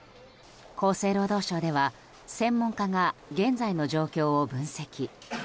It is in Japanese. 厚生労働省では専門家が現在の状況を分析。